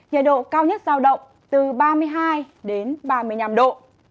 nhiệt độ cao nhất giao động từ ba mươi hai đến ba mươi năm độ